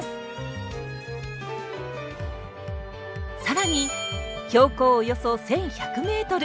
更に標高およそ１，１００ｍ。